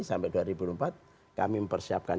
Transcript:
sampai dua ribu empat kami mempersiapkan